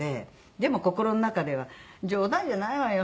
でも心の中では冗談じゃないわよ。